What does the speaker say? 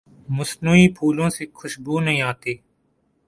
مصنوعی پھولوں سے خوشبو نہیں آتی۔